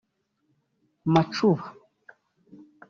Macuba